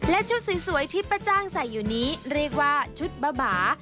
และชุดสวยที่ป้าจ้างใส่อยู่นี้เรียกว่าชุดบ้าบา